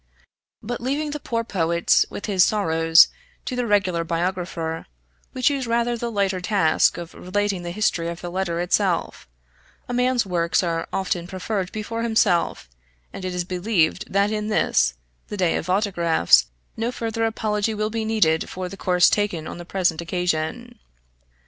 But leaving the poor poet, with his sorrows, to the regular biographer, we choose rather the lighter task of relating the history of the letter itself; a man's works are often preferred before himself, and it is believed that in this, the day of autographs, no further apology will be needed for the course taken on the present occasion.